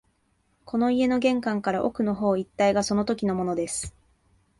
この家の玄関から奥の方一帯がそのときのものです